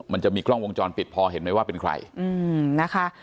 มันจะมีกล้องวงจรปิดพอเห็นไหมว่าเป็นใครนะคะ